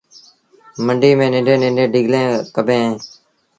منڊيٚ ميݩ ننڍيٚݩ ننڍيٚݩ ڍڳليٚن ڪبيٚن اوهيݩ